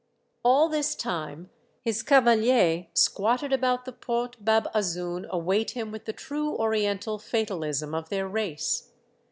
All this time his cavaliers squatted about the Porte Bab Azoun await him with the true Oriental fatalism of their race.